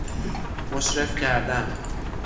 مشرف کردن